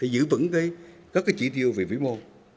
giữ vững các trị tiêu về vĩ mô